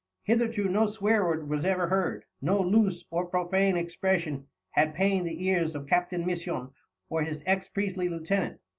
Hitherto no swearword was ever heard, no loose or profane expression had pained the ears of Captain Misson or his ex priestly lieutenant.